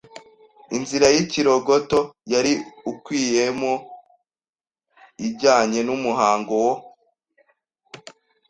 Inzira y’ikirogoto: yari ikuiyemo iijyanye n’umuhango wo